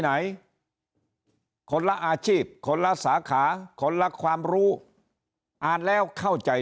ไหนคนละอาชีพคนละสาขาคนละความรู้อ่านแล้วเข้าใจ